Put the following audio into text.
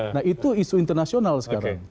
nah itu isu internasional sekarang